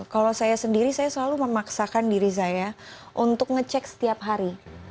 kalau saya sendiri saya selalu memaksakan diri saya untuk ngecek setiap hari